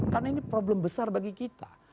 karena ini problem besar bagi kita